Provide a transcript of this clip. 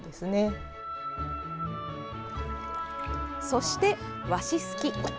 そして和紙すき。